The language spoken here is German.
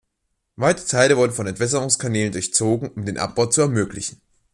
Weite Teile wurden von Entwässerungskanälen durchzogen, um den Abbau zu ermöglichen.